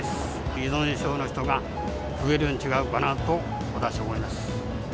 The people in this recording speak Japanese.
依存症の人が増えるん違うかなと、私は思います。